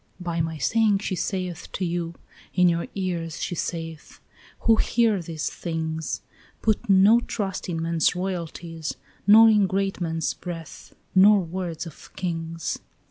"By my saying she saith to you, in your ears she saith, Who hear these things, Put no trust in men's royalties, nor in great men's breath, Nor words of kings.